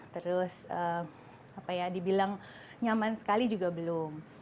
terus dibilang nyaman sekali juga belum